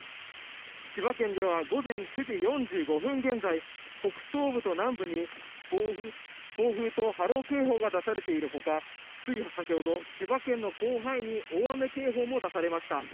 千葉県では午前９時４５分現在、北東部と南部に暴風と波浪警報が出されているほか、つい先ほど千葉県の広範囲に大雨警報も出されました。